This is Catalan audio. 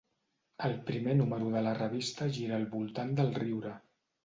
El primer número de la revista gira al voltant del riure.